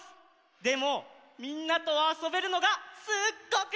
でもみんなとあそべるのがすっごくたのしみ！